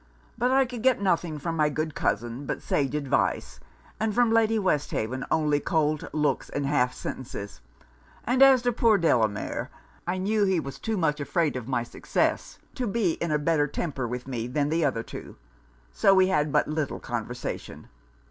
But I could get nothing from my good cousin but sage advice, and from Lady Westhaven only cold looks and half sentences; and as to poor Delamere, I knew he was too much afraid of my success to be in a better temper with me than the other two; so we had but little conversation.'